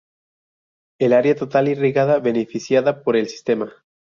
El área total irrigada beneficiada por el sistema.